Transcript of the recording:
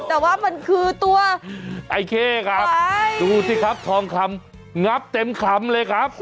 แต่ว่ามันคือตัวไอเคครับดูสิครับทองคำงับเต็มคำเลยครับ